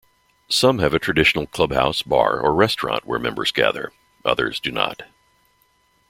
Some have a traditional clubhouse, bar, or restaurant where members gather; others do not.